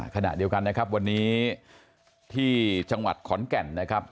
ขณะเดียวกันนะครับวันนี้ที่จังหวัดขอนแก่นนะครับ